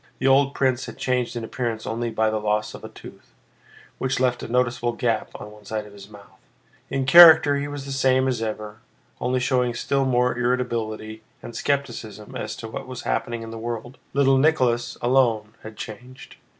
The old prince had changed in appearance only by the loss of a tooth, which left a noticeable gap on one side of his mouth; in character he was the same as ever, only showing still more irritability and skepticism as to what was happening in the world. Little Nicholas alone had changed.